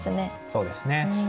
そうですね。